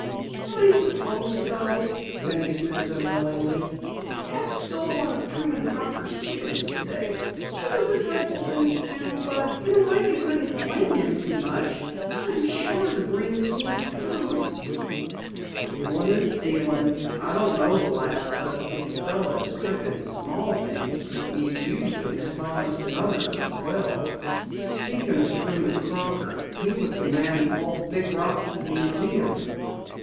"I suppose so," Penny admitted unwillingly. "Ted stole one of Truman Crocker's chickens today. It was a dreadful thing to do, but in a way you couldn't blame him too much. I'm sure the Breens needed food." "Stealing is stealing. I don't know the lad, but if a fellow is crooked in small things, he's usually dishonest otherwise as well. Speaking of Truman Crocker, he was the man who hauled the big rock to the museum."